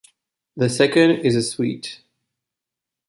The second is a suite.